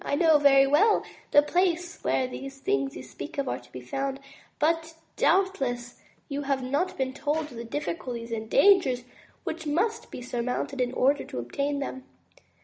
I know very well the place where these things you speak of are to be found, but doubtless you have not been told of the difficulties and dangers which must be sur mounted in order to obtain them.